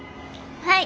はい。